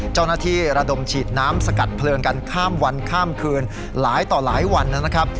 ระดมฉีดน้ำสกัดเพลิงกันข้ามวันข้ามคืนหลายต่อหลายวันนะครับ